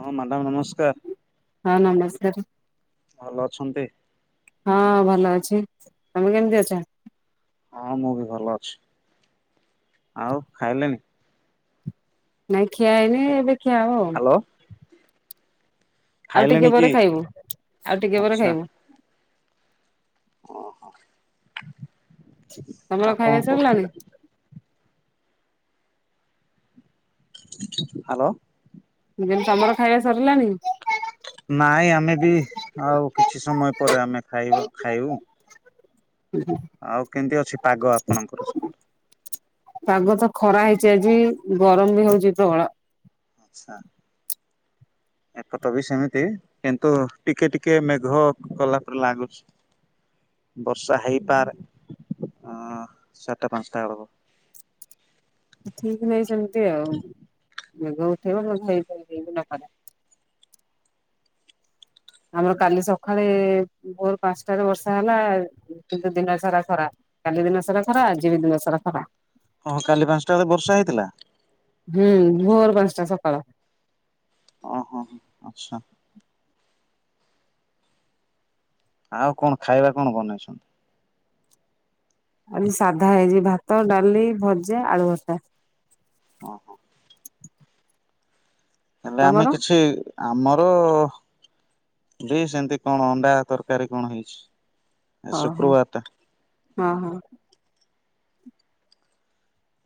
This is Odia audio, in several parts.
ହଁ ମ୍ୟାଡ଼ାମ ନମସ୍କାର। ହଁ ନମସ୍କାର। ଭଲ ଅଛନ୍ତି? ହଁ ଭଲ ଅଛି। ତମେ କେମିତି ଅଛ? ହଁ ମୁଁ ବି ଭଲ ଅଛି। ଆଉ ଖାଇଲେଣିି? ନାଇଁ ଖିଆ ହେଇନି ଏବେ ଖିଆ ହବ ଆଉ। ହ୍ୟାଲୋ ଆଉ ଖାଇଲେଣି ଟିକେ କି? ପରେ ଖାଇବୁ ଆଉ ଟିକେ ପରେ ଆଚ୍ଛା ଖାଇବୁ। ତମର ଆଉ ଖାଇବା କଣ ସରିଲାଣି? କରୁଥିଲେ? ହାଲୋ। ମୁଁ ତମର ଖାଇବା ସରିଲାଣି? ନାଇଁ ଆମେ ବି ଆଉ କିଛି ସମୟ ପରେ ଆମେ ଖାଇବ ଖାଇବୁ। ଆଉ କେମିତି ଅଛି ପାଗ ଆପଣଙ୍କର ସ୍ୟାଡେ? ପାଗ ତ ଖରା ହେଇଚି ଆଜି ଗରମ ବି ହୋଉଚି ପ୍ରବଳ। ଆଛା। ଏପତ ବି ସେମିତି କିନ୍ତୁ ଟିକେ ଟିକେ ମେଘ କଲା ପରେ ଲାଗୁଛି। ବର୍ଷା ହେଇପାରେ ଅଁ ଚାରଟା ପାଞ୍ଚଟା ବେଳକୁ। ଠିକ ନାଇଁ ସେମିତି ଆଉ। ମେଘ ଉଠେଇବ ଯଦି ହେଇପାରେ ହେଇବି ନ ପାରେ। ଆମର କାଲି ସକାଳେ ଭୋର ପାଞ୍ଚଟାରେ ବର୍ଷା ହେଲା କିନ୍ତୁ ଦିନ ସାରା ଖରା। କାଲି ଦିନ ସାରା ଖରା ଆଜିବି ଦିନ ସାରା ଖରା। ହଁ କାଲି ପାଞ୍ଚଟା ବେଳେ ବର୍ଷା ହେଇଥିଲା? ହୁଁ ଭୋର ପାଞ୍ଚଟା ସକାଳ। ଓ ହୋ ଆଚ୍ଛା। ଆଉ କଣ ଖାଇବା କଣ ବନେଇଚନ୍ତି? ଆଜି ସାଧା ହେଇଚି ଭାତ ଡାଲି ଭଜା ଆଳୁ ଭର୍ତ୍ତା। ଓ ହ। ଏବେ ଆମେ ତମର? କିଛି ଆମର ହୋ ବି ସେମିତି କଣ ଅଣ୍ଡା ତରକାରୀ କଣ ହେଇଚି। ହଁ ହଁ ହଁ ହଁ।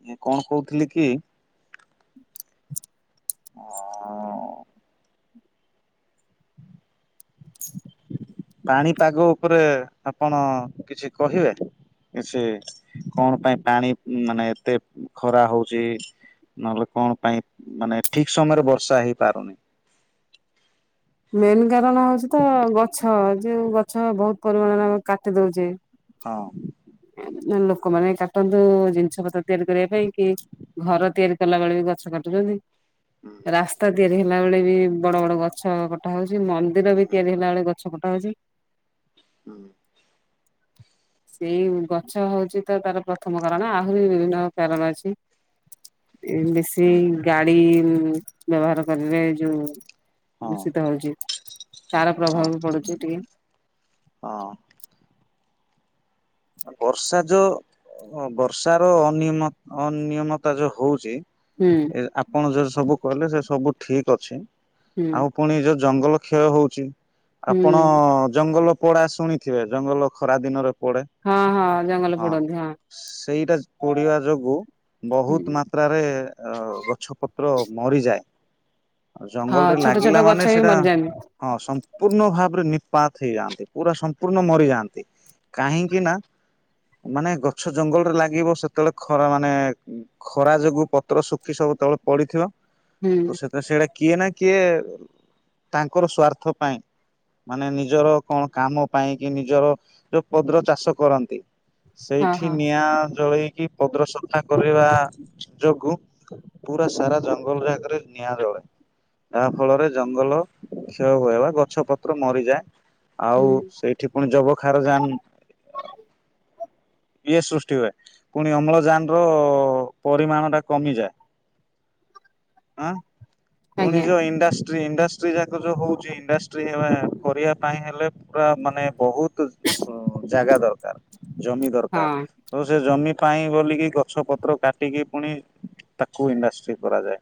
ମୁଁ କଣ କହୁଥିଲି କି? ହଁ ପାଣି ପାଗ ଉପରେ ଆପଣ କିଛି କହିବେ? ସେ କଣ ପାଇଁ ପାଣି ମାନେ ଏତେ ଖରା ହଉଚି? ନହେଲେ କଣ ପାଇଁ ମାନେ ଠିକ ସମୟରେ ବର୍ଷା ହେଇପାରୁନି? ମେନ୍ କାରଣ ହଉଚି ତ ଗଛ ଯଉ ଗ ଗଛ ବହୁତ ପରିମାଣରେ ଆମେ କାଟି ଦଉଚେ। ହଁ। ଲୋକମାନେ ବି କାଟନ୍ତୁ ଜିନିଷ ପତ୍ର ତିଆରି କରିବା ପାଇଁ କି ଘର ତିଆରି କଲା ବଳେ ବି ଗଛ କାଟୁଚନ୍ତି। ହୁଁ ରାସ୍ତା ତିଆରି ହେଲା ବେଳେ ବି ବଡ ବଡ ଗଛ କଟା ହଉଚି ମନ୍ଦିର ବି ହୁଁ ତିଆରି ହେଲା ବଳେ ଗ ଛ କଟା ହୋଉଚି। ହୁଁ। ସେଇ ଗଛ ହଉଛି ତ ତାର ପ୍ରଥମ କାରଣ ଆହୁରି ବିଭିନ୍ନ କାରଣ ଅଛି। ବେଶୀ ହୁଁ ହୁଁ ଗାଡି ବ୍ୟବହାର କରିବେ ଯୋଉ ହଁ ଦୂଷିତ ହଉଛି। ତାର ହଁ ପ୍ରଭାବ ବି ପଡୁଛି ଟିକେ। ହଁ ବର୍ଷା ଯୋଉ ବର୍ଷ ର ଅନମ ଅନିୟମତା ଯୋଉ ହଉଛି। ହୁଁ ଏ ଆପଣ ଯୋଉ ସବୁ କହିଲେ ସେ ସବୁ ଠିକ ଅଛି ହୁଁ ଆଉ ପୁଣି ଯ ଜଙ୍ଗଲ କ୍ଷୟ ହଉଚି ଆପଣ ହୁଁ ଜଙ୍ଗଲ ପଡା ଶୁଣିଥିବେ ଜଙ୍ଗଲ ଖରାଦିନରେ ପଡ଼ ହଁ ହଁ ଜଙ୍ଗଲ ପୋଡନ୍ତି ହଁ। ସେଇଟା ପୋଡିବା ଯୋଗୁ ହୁଁ ବହୁତ ମାତ୍ରାରେ ଅ ଗଛପତ୍ର ମରିଯାଏ। ହଁ ଜଙ୍ଗଲରେ ଛୋଟ ଛୋଟ ଲାଗିଲାମାନେ ଗଛ ବି ସେଇଟା ମରିଯାଆନ୍ତି ହଁ ସମ୍ପୂର୍ଣ୍ଣ ଭାବ ପୁରା ନିପାତ ହେଇଯାଆନ୍ତି, ପୁରା ସମ୍ପୂର୍ଣ୍ଣ ମରିଯାଆନ୍ତି, କାହିଁକି ନା ମାନେ ଗଛ ଜଙ୍ଗଲରେ ଲାଗିବ ସେତେବେଳେ ଖରାମାନେ ଖରାଯୋଗୁ ପତ୍ର ଶୁଖି ସବୁ କେତେବେଳେ ପଡିଥିବ ହୁଁ ତ ସେତା ସିଆଡେ କିଏ ନା କିଏ ତାଙ୍କର ସ୍ଵାର୍ଥ ପାଇଁ। ମାନେ ନିଜର କଣ କାମ ପାଇଁ କି ନିଜର ଯୋଉ ପଦରତ ଚାଷ କରନ୍ତି, ହଁ ସେଇଠି ହଁ ନିଆଁ ଜଳେଇ କି ପଦ୍ର ସନ୍ଥା କରେଇବା ଯୋଗୁ ପୁରା ସାରା ଜଙ୍ଗଲରେ ରି୍ୟାଙ୍କରେ ନିଆଁ ଜଳେ। ଯାହା ଫଳରେ ଜଙ୍ଗଲ କ୍ଷୟ ହୁଏ ଵା ଗଛ ପତ୍ର ମରିଯାଏ। ଆଉ ହୁଁ ସେଇଠି ପୁଣି ଯବଖାରଜାନ ଇଏ ସୃଷ୍ଟି ହୁଏ ପୁଣି ଅମ୍ଳଜାନ ର ପରିମାଣଟା କମିଯାଏ। ଆଁ ପୁଣି ଆଜ୍ଞା ଯଉ ଇଣ୍ଡଷ୍ଟ୍ରି ଇଣ୍ଡଷ ଟ୍ରିଯାଙ୍କ ଯୋଉ ହୋଉଚି ଇଣ୍ଡଷ୍ଟ୍ରି ହେ କରିବା ପାଇଁ ହେଲେ ପୁରା ମାନେ ବହୁତ ତ ଜାଗା ଦରକାର, ଜମି ଦରକାର ହଁ ତ ସେ ଜମି ପାଇଁ ବୋଲିକି ଗଛ ପତ୍ର କାଟିକି ପୁଣି ତାକୁ ଇଣ୍ଡଷ୍ଟ୍ରି କରାଯାଏ,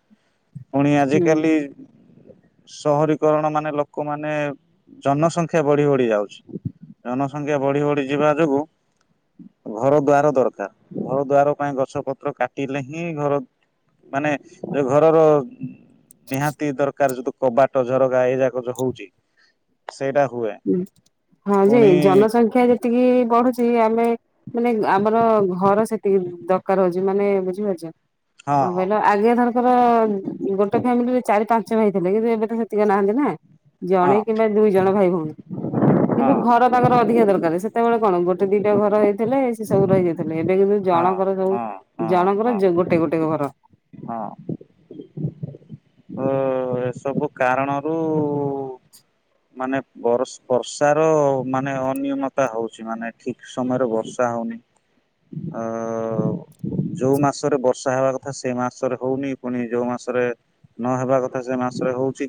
ପୁଣି କାଲି। ସହରୀକରଣମାନେ ଲୋକମାନେ ଜନସଂଖ୍ୟା ବଢି ବଢି ଯାଉଚି। ଜନସଂଖ୍ୟା ବଢି ବଢି ଯିବା ଯୋଗୁ ଘର ଦ୍ୱାର ଦରକାର, ଘର ଦ୍ୱାର ପାଇଁ ଗଛ ପତ୍ର କାଟିଲେ ହିଁ ଘର ମାନେ ଯୋଉ ଘରର ନିହାତି ଦରକାର ଯୋଉ କବାଟ ଝରକା ଏଇଯାକ ଯୋଉ ହୋଉଚି। ହୁଁ ହଁ ଯେ ଜନସଂଖ୍ୟା ଯେ ତିକି ବଢୁଛି ଆମେ ମାନେ ଆମର ଘର ସେତିକି ଦରକାର ହଉଚି ମାନେ ବୁଝିପାରୁଚ। ହଁ କଣ କହିଲ ଆଗେ ଧରକର ଗୋଟେ ଫ୍ୟାମିଲିରେ ଚାରି ପା ଞ୍ଚ ଭାଇ ଥିଲେ। କିନ୍ତୁ ଏବେ ତ ସେତିକି ନାହାନ୍ତି ନା ଜଣେ ହଁ କିମ୍ବା ଦୁଇ ଜଣ ଭାଇ ଭଉଣୀ। କିନ୍ତୁ ହଁ ଘର ତାଙ୍କର ଅଧିକା ଦରକାର ସେତେବେଳେ କଣ ଗୋଟେ ଦିଟା ଘର ହେଇଥିଲେ ସେ ସବୁ ରହିଯାଉ ଥିଲେ, ଏବେ କିନ୍ତୁ ହଁ ହଁ ଜଣଙ୍କର ଯୋଉ ହଁ ହଁ ଜଣଙ୍କର ହଁ ଯୋ ଗୋଟେ ଗୋଟେ ଘର। ହଁ। ତ ଏସବୁ କାରଣରୁ ମାନେ ବରଷ ବର୍ଷାର ମାନେ ଅନିୟମତା ହଉଚି ମାନେ ଠିକ ସମୟରେ ବର୍ଷା ହୋଉନି। ଆ ଆ ଉ। ଯୋଉ ମାସରେ ବର୍ଷା ହେବା କଥା ସେଇ ମାସରେ ହୋଉନି ପୁଣି ଯୋଉ ମାସରେ ନହେବା କଥା ସେ ମାସରେ ହୋଉଚି,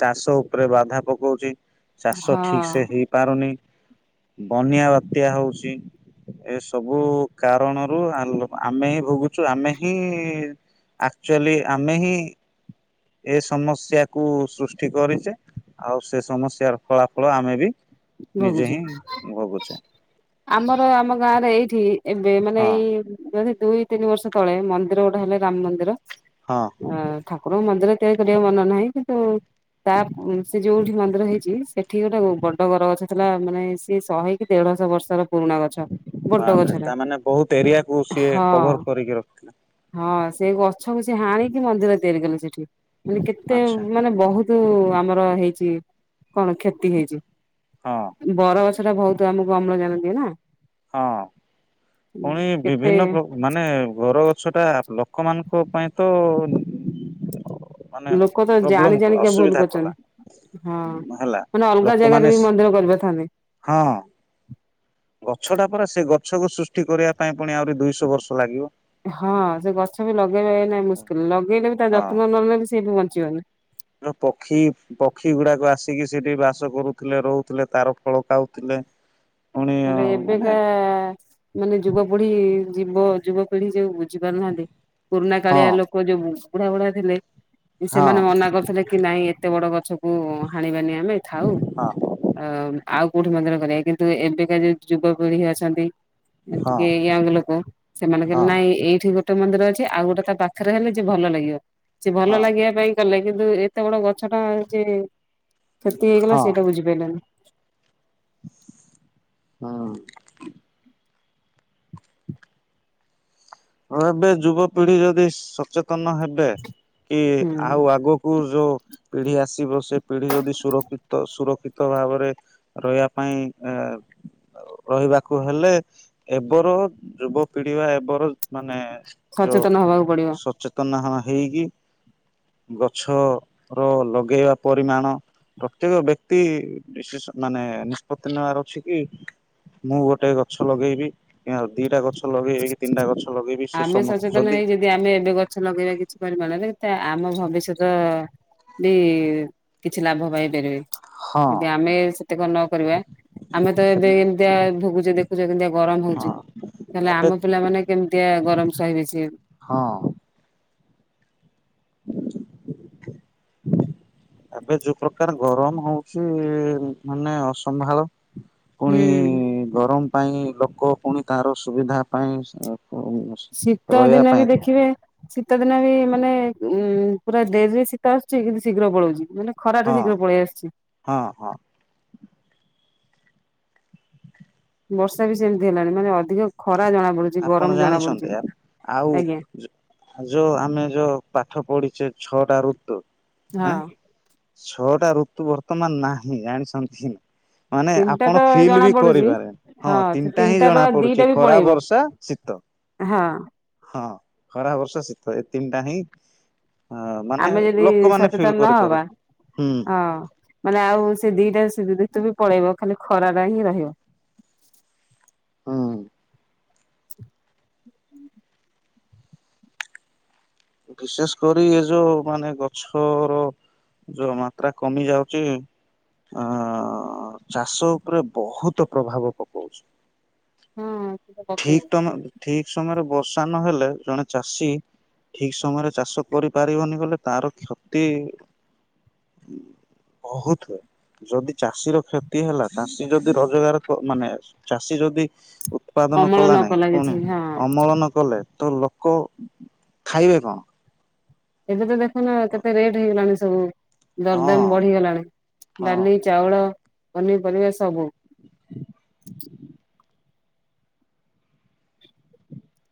ଚାଷ ଉପରେ ବାଧା ପକ କୋଉଚି ଚାଷ ହଁ ଠିକ ସେ ହେଇପାରୁନି। ବନ୍ୟା ବାତ୍ୟା ହୋଉଚି। ଏ ସବୁ କାରଣରୁ ଆମ ଆମେ ହିଁ ଭୋଗୁ ଚୁ ଆମେ ହିଁ ଆକ୍ଚୁଆଲି ଆମେ ହିଁ ଏ ସମସ୍ୟାକୁୁ ସୃଷ୍ଟି କରିଚେ ଆଉ ସେ ସମସ୍ୟାର ଫଳାଫଳ ଆମେ ବି ନିଜେ ଭୋଗୁଚି ହିଁ ଭୋଗୁଛେ ଆମର ଆମ ଗାଁରେ ଏଇଠି ଏବେ ମାନେ ହଁ। ଏଇ ଯଦି ଦୁଇ ତିନି ବର୍ଷ ତଳେ ମନ୍ଦିର ଗୋଟେ ହେଲେ ରାମ ମନ୍ଦିର। ହଁ ଆଁ ଠାକୁର ମନ୍ଦିର ତିଆରି କରିବାକୁ ମନା ନାହିଁ କିନ୍ତୁ ତାପ୍ ସେ ଯୋଉଠି ମନ୍ଦିର ହେଇଚି ସେଠି ଗୋଟେ ବଡ ବର ଗଛ ହେଇଥିଲା ମାନେ ସିଏ ଶହେ କି ଦେଢଶହ ବର୍ଷର ପୁରୁଣା ଗଛ ବଡ଼ ବାପରେ ଗଛଟା ତାମାନେ ବହୁତ ଏରିଆକୁ ସିଏ କଭର ହଁ। କରିକି ରଖିଥିଲା ହଁ ସେ ଗଛକୁ ସେ ହାଣିକି ମନ୍ଦିର ତିଆରି କଲେ ସେଠି। ମାନେ କେତେ ଆଚ୍ଛା ମାନେ ବହୁତ ଆମର ହେଇଚି କଣ କ୍ଷେତି ହେଇଚି। ହଁ। ବର ଗଛ ଟା ବହୁତ ଆମକୁ ଅମ୍ଳଜାନ୍ ଦିଏନା। ହଁ ପୁଣି କେତେ ବିଭିନ୍ନ ପ୍ର ମାନେ ବର ଗ ସେଟା ଲୋକମାନଙ୍କ ପାଇଁ ତ ମାନେ ଲୋକ ତ ଜାଣି ପ୍ରୋବ୍ଲେମ କଲା ଜାଣିକା ଭୁଲ ଅସୁବିଧା କଲା। କରୁଛନ୍ତି ହଁ। ହେଲା ମାନେ ଅଲଗା ଜାଗାରେ ଲୋକମାନେ ବି ମନ୍ଦିର କରିପାରିଥାନ୍ତେ। ସ ହଁ। ଗଛଟା ପରା ସେ ଗଛକୁ ସୃଷ୍ଟି କରିବା ପାଇଁ ପୁଣି ଆହୁରି ଦୁଇଶହ ବର୍ଷ ଲାଗିବ। ହଁ ସେ ଗଛ ବି ଲଗେଇବା ଏ ନାଇଁ ମୁସ୍କିଲ ଲଗେଇଲେ ବି ତା ଯତ୍ନ ନଲେ ବି ସେ ବି ବ ଞ୍ଚିବନି। ର ପକ୍ଷୀ ପକ୍ଷୀ ଗୁଡାକ ଆସିକି ସେଠି ବାସ କରୁଥିଲେ ରହୁଥିଲେ ତାର ଫଳ ଖାଉଥିଲେ। [unintelligible] ହେଲେ ମାନେ ଏବେକା ମାନେ ଯୁବପିଢି ଯୁବ ଯୁବପିଢି ଯୋଉ ବୁଝି ପାରୁନାହାନ୍ତି ପୁରୁଣା ହଁ କାଳିଆ ଲୋକ ଯୋଉ ବୁଢା ବୁଢା ଥିଲେ ହଁ ସେମାନେ ମନା କରିଥିଲେ କି ନାଇଁ ଏତେ ବଡ ଗଛକୁ ହାଣିବାନି ଆମେ ଥାଉ। ହଁ ଅ ଆଉ କୋଉଠି ମନ୍ଦିରେ କରିବା କିନ୍ତୁ ଏବେକା ଯୋଉ ଯୁବପିଢି ଅଛନ୍ତି। ଟିକେ ହଁ ୟଙ୍ଗ ଲୋକ ସେମାନେ କହିଲେ ହଁ ନାଇ ଏଇଠି ଗୋଟେ ମନ୍ଦିର ଅ ଛି ଆଉ ଗୋଟେ ତା ପାଖରେ ହେଲେ ଯେ ଭଲ ଲାଗିବ ସେଏ ଭଲ ହଁ ଲାଗିବା ପାଇଁ କଲେ କିନ୍ତୁ ଏତେ ବଡ ଗଛ ଟା ଯେ କ୍ଷେତି ହେଇଗଲା ହୁଁ ସେଇଟା ବୁଝିପାରିଲେନି। ହଁ। ହଁ ଏବେ ଯୁବପିଢି ଯଦି ସଚେ ତନ ହେବେ କି ହୁଁ ଆଉ ଆଗକୁ ଯୋଉ ପିଢି ଆସିବ ସେ ପିଢି ଯଦି ସୁରକ୍ଷିତ ସୁରକ୍ଷିତ ଭାବରେ ରହିବା ପାଇଁ ଏ ରହିବାକୁ ହେଲେ ଏବର ଯୁବପିଢି ବା ଏବର ମାନେ ଯଓ ସଚେତନ ହବାକୁ ପଡିବ। ସଚେତନ ହଁ ହେଇକି ଗଛ ର ଲଗେଇବା ପରିମାଣ ପ୍ରତ୍ୟେକ ବ୍ୟକ୍ତି ବିଶେଷ ମାନେ ନିଷ୍ପତ୍ତି ନେବାର ଅଛି କି ମୁଁ ଗୋଟେ ଗଛ ଲଗେଇବି କିମ୍ବା ଦିଟା ଗଛ ଲଗେଇବି କି ତିନିଟା ଗଛ। ଲଗେଇବି ସେ ଆମେ ସମସ୍ତେ ସଚେତନ ହେଇ ଯଦି ଆମେ ଏବେ ଗଛ ଲଗେଇବା କିଛି ପରିମାଣରେ ତା ଆମ ଭବିଷ୍ୟତ ବି କିଛି ଲାଭ ପାଇପାରିବେ। ହଁ ଯଦି ଆମେ ସେତେକ ନ କରିବା ଆମେ ତ ଏବେ ଏମିତିଆ ଭୋଗୁଚେ ଦେଖୁଚେ କେମିତିଆ ଗରମ ହଉଚି। ହଁ ତାହଲେ ଏବେ ଆମ ପିଲାମାନେ କେମିତିଆ ଗରମ ସହିବେ ସିଏ। ହଁ ଏବେ ଯୋଉ ପ୍ରକାର ଗରମ ହଉଚି ମାନେ ଅସମ୍ଭାଳ। ପୁଣି ହୁଁ। ଗରମ ପାଇଁ ଲୋକ ପୁଣି ତାର ସୁବିଧା ପାଇଁ ଶୀତ ରହିବା ଦିନ ବି ପାଇଁ ଦେଖିବେ ଶୀତ ଦିନ ବି ମାନେ ଉଁ ପୁରା ଡେରିରେ ଶୀତ ଆସୁଚି କିନ୍ତୁ ଶୀଘ୍ର ପଳଉଚି। ମାନେ ଖରା ହଁ ଟା ଶୀଘ୍ର ପଳେଇ ଆସୁଚି। ହଁ ହଁ ବର୍ଷା ବି ସେମିତି ହେଲାନି ମାନେ ଅଧିକ ଖରା ଜଣା ପଡୁଛି ଗରମ ଆପଣ ଜଣା ପଡୁଛି ଜାଣିଛନ୍ତି ଆପ ଆଉ ଆଜ୍ଞା। ଯୋ ଯୋଉ ଆମେ ଯୋ ପାଠ ପଢିଚେ ଛଅ ଟା ଋତୁ। ହଁ। ଆଁ ଛଅଟା ଋତୁ ବର୍ତ୍ତମାନ ନାହିଁ ଜାଣିଛନ୍ତି। ମାନେ ତିନିଟା ଆପଣ ତ ଫିଲ୍ ଜଣା ବି ପଡୁଛି କରିପାରେ ହଁ ତିନିଟା ହିଁ ଜଣା ର ଦିଟା ପଡୁଛି। ବି ଖରା, ପଳେଇବ ବର୍ଷା, ଶୀତ। ହଁ ହଁ ଖରା, ବର୍ଷ, ଶୀତ ଏ ତିନିଟା ହିଁ। ହଁ ମାନେ ଆମେ ଯଦି ଲୋକମାନେ ଫିଲ୍ ସଚେତନ କରିପାରୁ ନହବା ହଁ ମାନେ ଆଉ ସେ ଦିଟା ସୁ ତେବେ ପଳେଇବ ଖାଲି ଖରାଟା ହିଁ ରହିବ। ହୁଁ ବିଶେଷେ କରି ଏ ଯୋଉ ମାନେ ଗଛ ର ଯୋଉ ମାତ୍ରା କମି ଯାଉଛି ଆ ଆ ଆ ଚାଷ ଉପରେ ବହୁତ ପ୍ରଭାବ ପକଉଛି। ହଁ ସେଟା ପକେଇବ ଠିକ ତମ ଠିକ ସମୟରେ ବର୍ଷା ନହେଲେ ଜଣେ ଚାଷୀ ଠିକ ସମୟରେ ଚାଷ କରିପାରିବନି ବୋଲେ ତାର କ୍ଷତି ବହୁତ ହୁଏ। ଯଦି ଚାଷୀର କ୍ଷତି ହେଲା ଚାଷୀ ଯଦି ରୋଜଗାର ମାନେ ଚାଷୀ ଯଦି। ଉତ୍ପାଦନ ଅମଳ କଲା ନ ନାଇଁ ପୁଣି କିଛି ହଁ। ଅମଳ ନ କଲେ। ତ ଲୋକ ଖାଇବେ କଣ। ଏବେ ତ ଦେଖନ୍ତୁ କେତେ ରେଟ୍ ହେଇଗଲାଣି ସବୁ। ହଁ ଦରଦାମ ବଢିଗଲାଣି ହଁ ଡାଲି ଚାଉଳ ପନିପରିବା ସବୁ।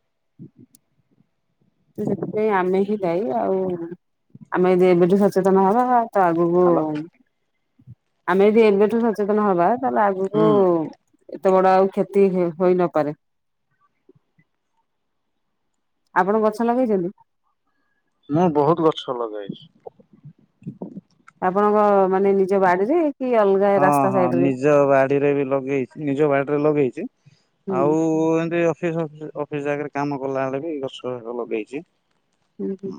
[inaudible] ସେଥିପାଇଁ ଆମେ ହିଁ ଦାଇ ଆଉ ଆମେ ଏବେଠୁ ସଚେତନ ହେବା। ତ ଆଗକୁ ହ୍ୟାଲୋ ଆମେ ଯଦି ଏବେଠୁ ସଚେତନ ହେବା। ତମେ ଆଗକୁ। ହୁଁ ଏତେ ବଡ ଆଉ କ୍ଷତି ହୋଇନପାରେ। ଆପଣ ଗଛ ଲଗେଇଛନ୍ତି। ମୁଁ ବହୁତ ଗଛ ଲଗାଏ। ଆପଣଙ୍କମାନେ ନିଜ ବାଡିରେ। କି ଅଲଗା ହଁ ରାସ୍ତା ହଁ ସାଇଡ ରେ ନିଜ ବାଡ଼ିରେ ବି ଲଗେଇଚି, ନିଜ ବାଡିରେ ଲଗେଇଚି। ହୁଁ। ଆଉ ଏମତି ଅଫିସ ଅଫିସ ଆଗରେ କାମ କଲା ବେଳେ ବି ଗଛ ଲଗେଇଛି। ହୁଁ ହୁଁ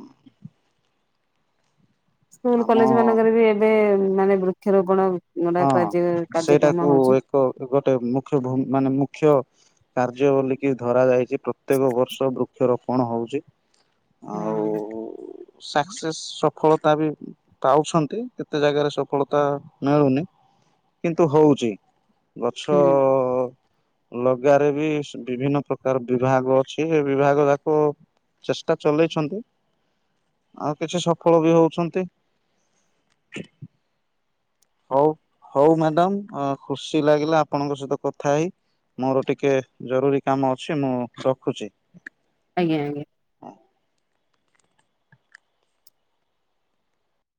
ସ୍କୁଲ ଆମ କଲେଜମାନଙ୍କରେ ବି ଏବେମାନେ ବୃକ୍ଷରୋପଣ। ହଁ କାର୍ଯ୍ୟ କାର୍ଯ୍ୟକ୍ରମ ସେଇଟାକୁ ହଉଛି। ଏକ ଗୋଟେ ମୁଖ୍ୟ ଭୂମି ମାନେ ମୁଖ୍ୟ କାର୍ଯ୍ୟ ବୋଲିକି ଧରା ଯାଇଛି ପ୍ରତ୍ୟେକ ବର୍ଷ ବୃକ୍ଷରୋପଣ ହଉଛି। ହୁଁ ସାକ୍ସେସ୍ ସଫଳତା ବି ପାଉଛନ୍ତି କେତେ ଯାଗାରେ ସଫଳତା ମିଳୁନି। କିନ୍ତୁ ହଉଛି ଗଛ ଅ ହୁଁ ଲଗାରେ ବି ବିଭିନ୍ନ ପ୍ରକାର ବିଭାଗ ଅଛି ବିଭାଗ ଯାକ। ଚେଷ୍ଟା ଚଲେଇଛନ୍ତି ଆଉ କିଛି ସଫଳ ବି ହଉଛନ୍ତି। କି [inaudible] ହଉ ହଉ ମ୍ୟାଡାମ ଖୁସି ଲାଗିଲା ଆପଣଙ୍କ ସହିତ କଥା ହେଇ। ମୋର ଟିକେ ଜରୁରୀ କାମ ଅଛି ମୁଁ ରଖୁଛି। ଆଜ୍ଞା ଆଜ୍ଞା